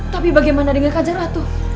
tapi bagaimana dengan kajar ratu